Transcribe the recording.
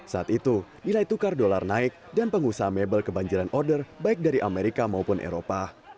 saat itu nilai tukar dolar naik dan pengusaha mebel kebanjiran order baik dari amerika maupun eropa